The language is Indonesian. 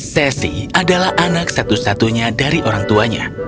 sesi adalah anak satu satunya dari orang tuanya